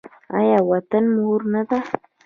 آیا وطن مور نه ده؟